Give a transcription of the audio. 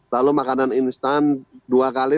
lalu makanan instan dua kali